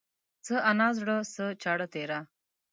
څه انا زړه ، څه چاړه تيره.